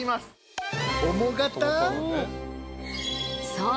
そう！